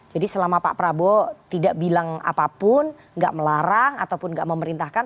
jadi selama pak prabowo tidak bilang apapun gak melarang ataupun gak memerintahkan